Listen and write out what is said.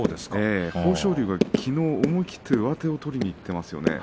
豊昇龍がきのう思い切って上手を取りにいっていますね。